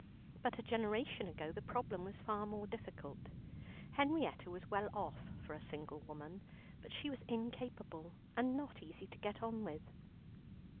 But a generation ago the problem was far more difficult. Henrietta was well off for a single woman, but she was incapable, and not easy to get on with.